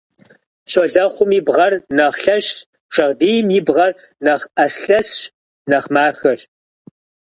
Щолэхъум и бгъэр нэхъ лъэщщ, шагъдийм и бгъэр нэхъ Ӏэслъэсщ, нэхъ махэщ.